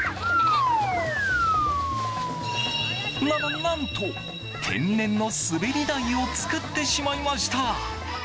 何と天然の滑り台を作ってしまいました。